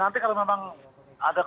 nanti kita akan mencari api yang lebih baik